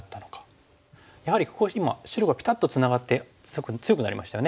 やはりここ今白がピタッとツナがってすごく強くなりましたよね。